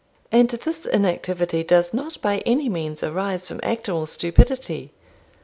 And this inactivity does not by any means arise from actual stupidity.